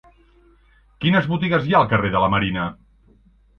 Quines botigues hi ha al carrer de la Marina?